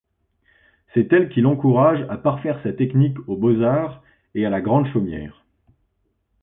C'est elle qui l'encourage à parfaire sa technique aux Beaux-Arts et à la Grande-Chaumière.